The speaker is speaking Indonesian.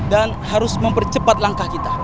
dan harus mempercepat langkah kita